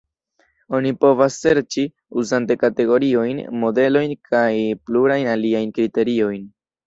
Oni povas serĉi, uzante kategoriojn, modelojn kaj plurajn aliajn kriteriojn.